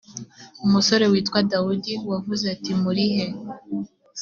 umusore witwa dawudi wavuze ati muri he